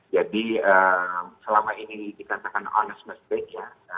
jadi selama ini dikatakan honest mistake ya